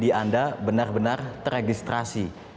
jadi anda benar benar teregistrasi